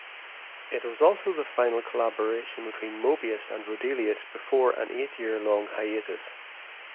It was also the final collaboration between Moebius and Roedelius before an eight-year-long hiatus.